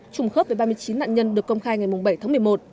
trùng khớp với ba mươi chín nạn nhân được công khai ngày bảy tháng một mươi một